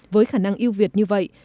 với khả năng ưu việt như vậy